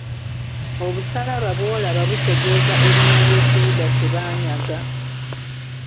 Obusalaba bw'olaba butegeeza erinnya ly'ekibuga kye baanyaga.